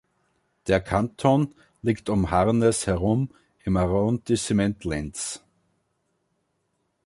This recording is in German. Der Kanton liegt um Harnes herum im Arrondissement Lens.